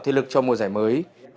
thể lực trong mùa giải mới